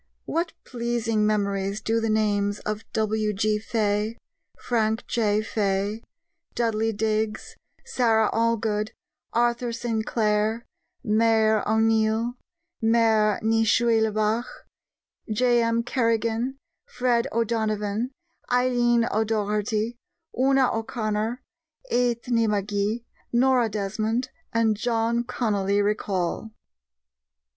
What pleasing memories do the names of W.G. Fay, Frank J. Fay, Dudley Digges, Sara Allgood, Arthur Sinclair, Maire O'Neill, Maire ni Shuiblaigh, J.M. Kerrigan, Fred O'Donovan, Eileen O'Doherty, Una O'Connor, Eithne Magee, Nora Desmond, and John Connolly recall!